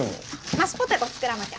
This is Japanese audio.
マッシュポテト作らなきゃ。